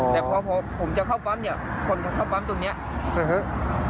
แต่พอผมจะเข้าปั๊มเนี่ยคนจะเข้าปั๊มตรงนี้เถอะ